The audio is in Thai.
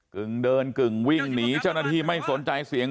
กึ่งเดินกึ่งวิ่งหนีเจ้าหน้าที่ไม่สนใจเสียง